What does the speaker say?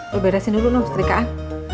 lo beresin dulu noh setrikaan